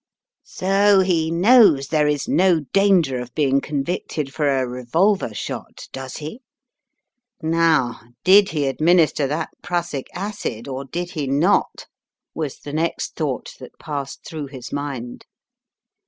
"So he knows there is no danger of being convicted for a revolver shot, does he? Now did he administer that prussic acid, or did he not? was the next thought that passed through his mind.